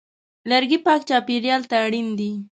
لرګی پاک چاپېریال ته اړین دی.